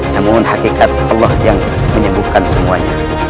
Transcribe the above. namun hakikat allah yang menyembuhkan semuanya